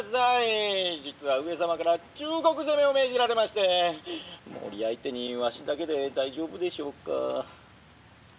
実は上様から中国攻めを命じられまして毛利相手にわしだけで大丈夫でしょうか」。